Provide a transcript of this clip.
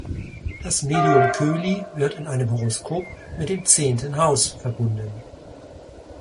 Das Medium Coeli wird in einem Horoskop mit dem „zehnten Haus“ verbunden.